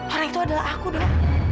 orang itu adalah aku dok